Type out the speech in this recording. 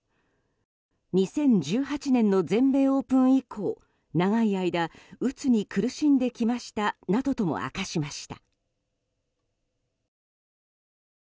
２０１８年の全米オープン以降長い間うつに苦しんできましたなどと明かしました。